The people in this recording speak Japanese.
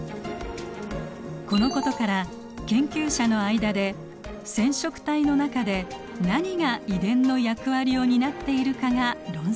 このことから研究者の間で染色体の中で何が遺伝の役割を担っているかが論争となります。